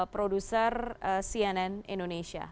produser cnn indonesia